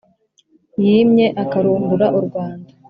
yimye akarumbura u rwanda.